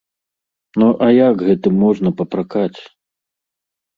Ну а як гэтым можна папракаць?